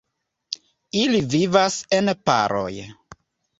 Ili vivas en paroj.